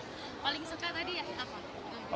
paling suka tadi ya apa